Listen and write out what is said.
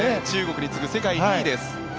中国に次ぐ世界２位です。